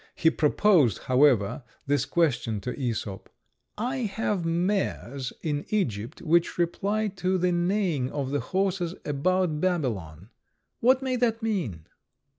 He proposed, however, this question to Æsop: "I have mares in Egypt which reply to the neighings of the horses about Babylon. What may that mean?"